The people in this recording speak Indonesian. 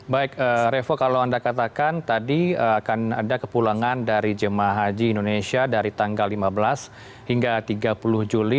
baik revo kalau anda katakan tadi akan ada kepulangan dari jemaah haji indonesia dari tanggal lima belas hingga tiga puluh juli